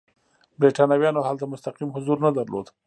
برېټانویانو هلته مستقیم حضور نه درلود.